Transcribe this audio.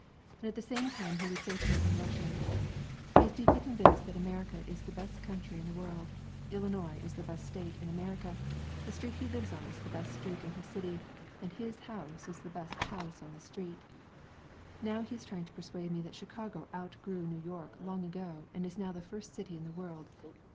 And at the same time he would say to me in Russian: "He is deeply convinced that America is the best country in the world, Illinois is the best State in America, the street he lives on is the best street in his city, and his house the best house on the street. Now he is trying to persuade me that Chicago outgrew New York long ago and is now the first city in the world.